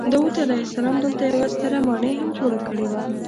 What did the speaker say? داود علیه السلام دلته یوه ستره ماڼۍ هم جوړه کړې وه.